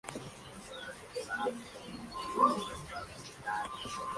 Su hábitat son las llanuras semiáridas y los herbazales.